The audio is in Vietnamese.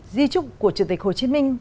tính chúc của chủ tịch hồ chí minh